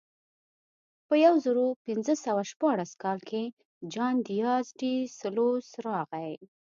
په یو زرو پینځه سوه شپاړس کال کې جان دیاز ډي سلوس راغی.